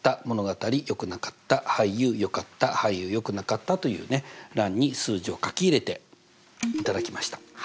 「物語よくなかった」「俳優よかった」「俳優よくなかった」という欄に数値を書き入れていただきました。